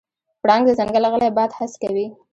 پړانګ د ځنګل غلی باد حس کوي.